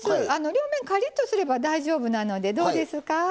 両面カリッとすれば大丈夫なのでどうですか？